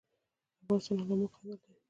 د افغانستان علما قدر لري